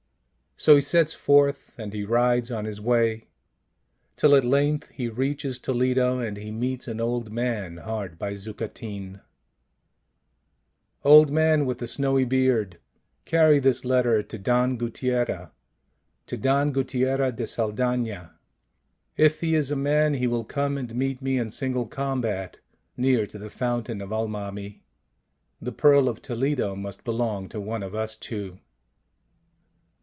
So he sets forth and he rides on his way, till at length he reaches Toledo, and he meets an old man hard by Zucatin. " Old man, with the snowy beard, carry this 93 94 THE PEARL OF TOLEDO letter to Don Guttiera, to Don Guttiera de Sal dana. If he is a man he will come and meet me in single combat, near to the fountain of Al mami. The Pearl of Toledo must belong to one of us two."